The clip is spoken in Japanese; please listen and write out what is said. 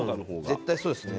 絶対そうですね。